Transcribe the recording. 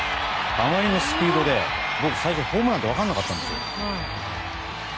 あまりのスピードで僕、最後ホームランって分からなかったんですよ。